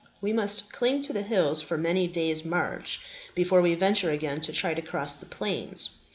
We must cling to the hills for many days' march before we venture again to try to cross the plains.